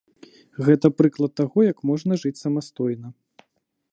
Гэта прыклад таго, як можна жыць самастойна.